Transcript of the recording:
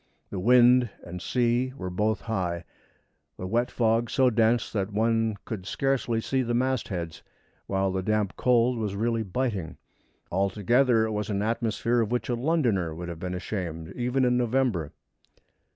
The wind and sea were both high the wet fog so dense that one could scarcely see the mastheads, while the damp cold was really biting. Altogether it was an atmosphere of which a Londoner would have been ashamed even in November.